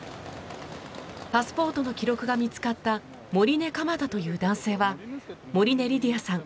パスポートの記録が見つかった盛根蒲太という男性はモリネ・リディアさん